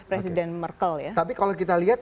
presiden merkel ya tapi kalau kita lihat